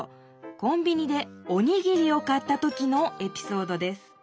コンビニでおにぎりを買った時のエピソードです